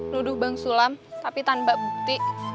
nuduh bang sulam tapi tanpa bukti